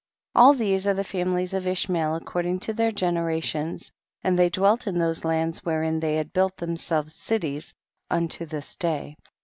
27. All these are the families of Ishmael according to their genera tions, and they dwelt in those lands wherein they had built themselves cities unto this day.